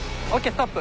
ストップ。